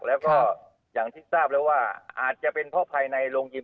แล้วก็อย่างที่ทราบแล้วว่าอาจจะเป็นเพราะภายในโรงยิม